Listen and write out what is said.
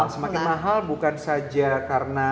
semakin mahal bukan saja karena